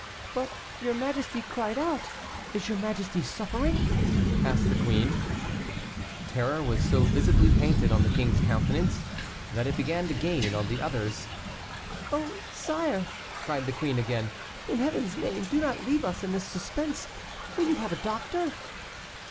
"But your majesty cried out; is your majesty suffering?" asked the queen. Terror was so visibly painted on the king's countenance, that it began to gain on the others. "Oh, sire!" cried the queen again, "in Heaven's name do not leave us in this suspense. Will you have a doctor?"